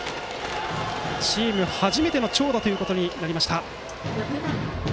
チーム初めての長打となりました。